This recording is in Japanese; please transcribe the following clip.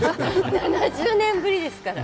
７０年ぶりですから。